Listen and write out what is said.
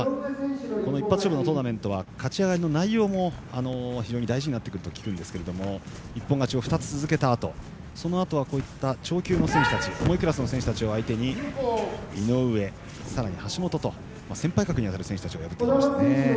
この一発勝負のトーナメントは勝ち上がりの内容も非常に大事になると聞くんですが一本勝ちを２つ続けたあとそのあとは、超級の選手たち重いクラスの選手たちを相手に井上、橋本と先輩格になる選手たちを倒してきましたね。